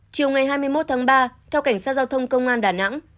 chiều ngày hai mươi một tháng ba theo cảnh sát giao thông công an đà nẵng